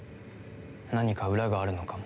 何か裏があるのかも。